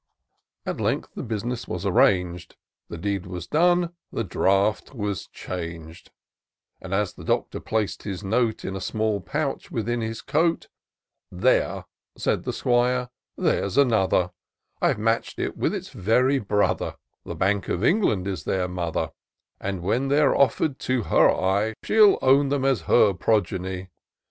At length the bus'ness was axrang'd ; The deed was done, — the draft was chang'd ; And, as the Doctor plac'd his note In a small pouch within his coat, " There,'' said the 'Squire, " there's another ; I've matched it with its very brother, The Bank of England is their mother ; And when they're offer'd to her eye, She'll own them as her progeny.